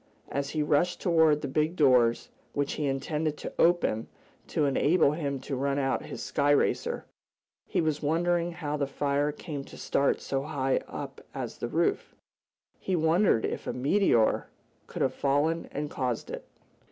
As he rushed toward the big doors, which he intended to open to enable him to run out his sky racer, he was wondering how the fire came to start so high up as the roof. He wondered if a meteor could have fallen and caused it.